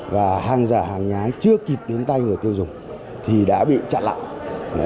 và hàng giả hàng nhái chưa kịp đến tay người tiêu dùng thì đã bị chặn lại